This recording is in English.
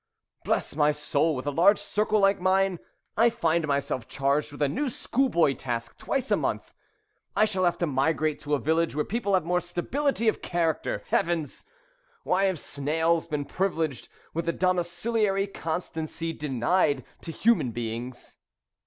Bless my soul, with a large circle like mine, I find myself charged with a new schoolboy task twice a month. I shall have to migrate to a village where people have more stability of character. Heavens! Why have snails been privileged with a domiciliary constancy denied to human beings?"